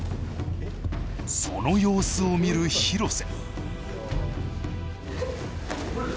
その様子を見る廣瀬。